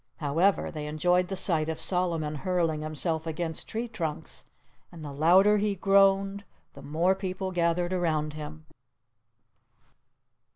However, they enjoyed the sight of Solomon hurling himself against tree trunks. And the louder he groaned, the more people gathered around him.